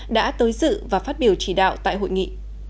đã tới dự và phát biểu chỉ đạo tại hội nghị